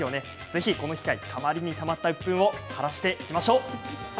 ぜひこの機会たまりにたまったうっぷんを晴らしていきましょう。